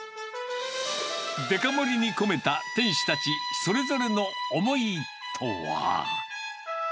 デカ盛りに込めた、店主たちそれぞれの思いとは。